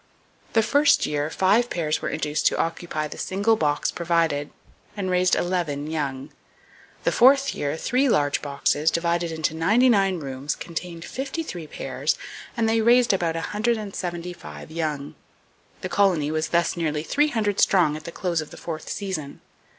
The first year five pairs were induced to occupy the single box provided, and raised eleven young. The fourth year three large boxes, divided into ninety nine rooms, contained fifty three pairs, and they raised about 175 young. The colony was thus nearly three hundred strong at the close of the fourth season.